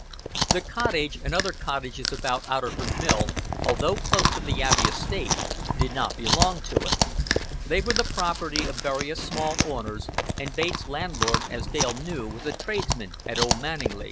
The cottage and other cottages about Otterford Mill, although close to the Abbey estate, did not belong to it. They were the property of various small owners, and Bates' landlord, as Dale knew, was a tradesman at Old Manninglea.